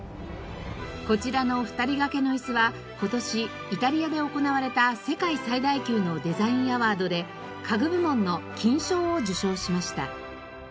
こちらの２人掛けの椅子は今年イタリアで行われた世界最大級のデザインアワードで家具部門の金賞を受賞しました。